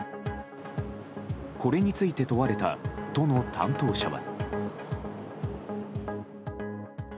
これについて問われた都の担当者は。